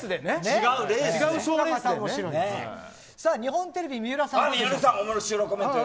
日本テレビの三浦さん。